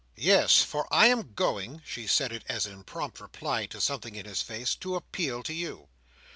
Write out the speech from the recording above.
Yes, for I am going;" she said it as in prompt reply to something in his face; "to appeal to you."